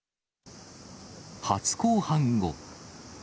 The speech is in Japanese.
初公判後。